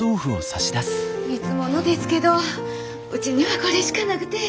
いつものですけどうちにはこれしかなくて。